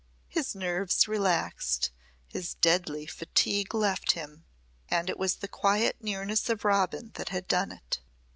His nerves relaxed; his deadly fatigue left him; and it was the quiet nearness of Robin that had done it.